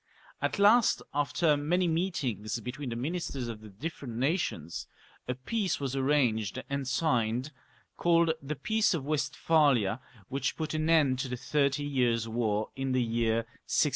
At last, after many meetings between the ministers of the different nations, a peace was arranged 332 LOUIS XIV. [CH. and signed, called the Peace of Westphalia, which put an end to the Thirty Years' War in the year 1648.